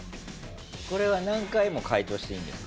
これは何回も解答していいんですか？